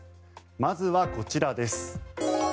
まずはこちらです。